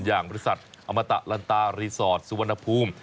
อย่างบริษัทอมตะลันตารีสอร์ทสุวรรณภูมิ